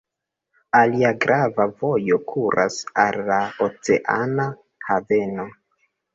Alia grava vojo kuras al la oceana haveno.